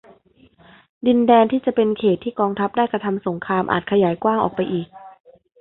ดินแดนที่จะเป็นเขตต์ที่กองทัพได้กระทำสงครามอาจขยายกว้างออกไปอีก